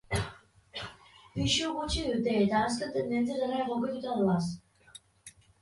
Pisu gutxi dute eta azken tendentzietara egokituta datoz.